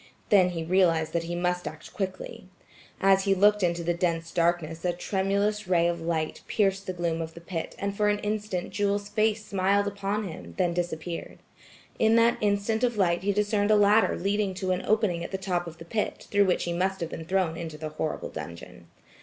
Then he realized that he must act quickly. As he looked into the dense darkness a tremulous ray of light pierced the gloom of the pit and for an instant Jewel's face smiled upon him, then disappeared. In that instant of light he discerned a ladder leading to an opening at the top of the pit, through which he must have been thrown into the horrible dungeon.